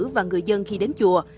và người dân khi đến chùa